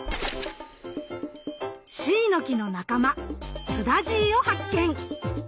シイの木の仲間スダジイを発見！